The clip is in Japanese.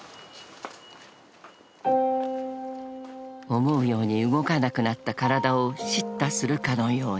［思うように動かなくなった体を叱咤するかのように］